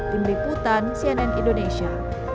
tim biputan cnn indonesia